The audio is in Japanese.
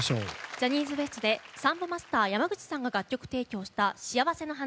ジャニーズＷＥＳＴでサンボマスター山口さんが楽曲提供した「しあわせの花」。